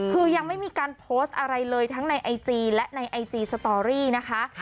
คือยังไม่มีการโพสต์อะไรเลยทั้งในไอจีและในไอจีสตอรี่นะคะ